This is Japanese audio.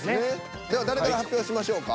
では誰から発表しましょうか。